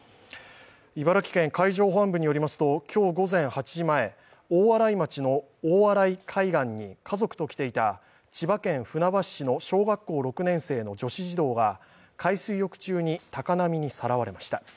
茨城県海上保安本部によりますと、大洗町の大洗海岸に家族と来ていた千葉県船橋市の小学校６年の女子児童が海水浴中に高波にさらわれました。